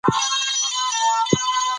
طلا د افغانستان د جغرافیوي تنوع مثال دی.